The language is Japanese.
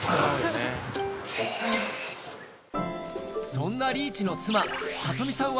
そんなリーチの妻知美さんは